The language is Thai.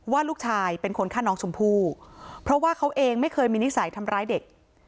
ว่าลูกชายเป็นคนฆ่าน้องชมพู่เพราะว่าเขาเองไม่เคยมีนิสัยทำร้ายเด็ก